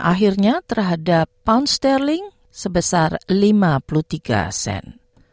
akhirnya terhadap pound sterling sebesar lima puluh tiga sen